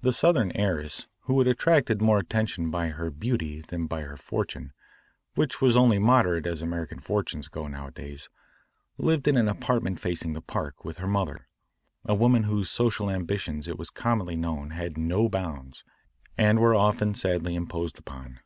The Southern heiress, who had attracted more attention by her beauty than by her fortune which was only moderate as American fortunes go nowadays, lived in an apartment facing the park, with her mother, a woman whose social ambitions it was commonly known had no bounds and were often sadly imposed upon.